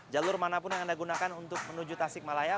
jalur manapun yang anda gunakan untuk menuju tasikmalaya